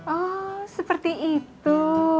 oh seperti itu